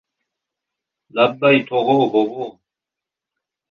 — Labbay, tog‘o bobo?